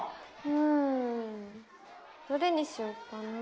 うんどれにしようかなあ。